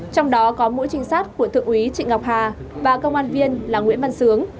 trong đó có mũi trinh sát của thượng úy trịnh ngọc hà và công an viên là nguyễn văn sướng